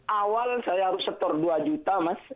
awal saya harus setor dua juta mas